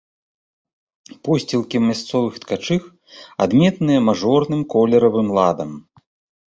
Посцілкі мясцовых ткачых адметныя мажорным колеравым ладам.